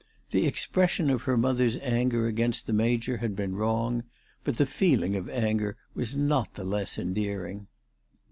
The ex pression of her mother's anger against the Major had been wrong ; but the feeling of anger was not the less endearing.